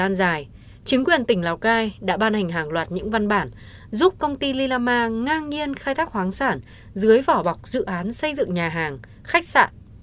trong thời gian dài chính quyền tỉnh lào cai đã ban hành hàng loạt những văn bản giúp công ty lillama ngang nhiên khai thác khoáng sản dưới vỏ bọc dự án xây dựng nhà hàng khách sạn